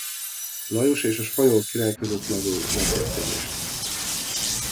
Lajos és a spanyol király között lévő vetélkedést.